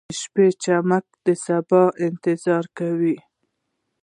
• د شپې چمک د سبا انتظار کوي.